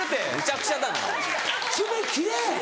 爪切れ！